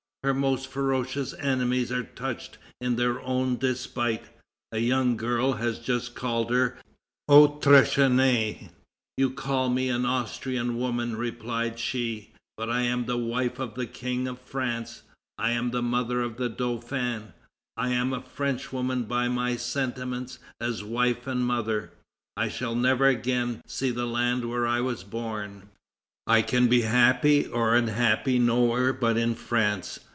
Her most ferocious enemies are touched in their own despite. A young girl had just called her "Autrichienné." "You call me an Austrian woman," replied she, "but I am the wife of the King of France, I am the mother of the Dauphin; I am a Frenchwoman by my sentiments as wife and mother. I shall never again see the land where I was born. I can be happy or unhappy nowhere but in France.